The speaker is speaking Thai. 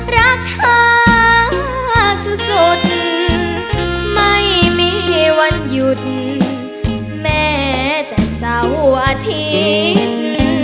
รักเธอสุดไม่มีวันหยุดแม้แต่เสาร์อาทิตย์